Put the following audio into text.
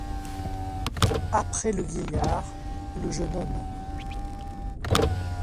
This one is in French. Après le vieillard le jeune homme.